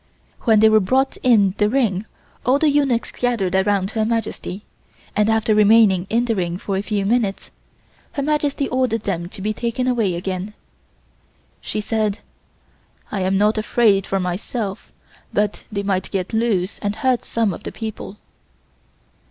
When they were brought in the ring all the eunuchs gathered around Her Majesty, and after remaining in the ring for a few minutes Her Majesty ordered them to be taken away again. She said: "I am not afraid for myself, but they might get loose and hurt some of the people."